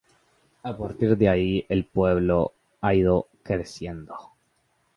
A partir de ahí el pueblo ha ido creciendo.